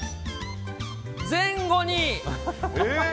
前後に。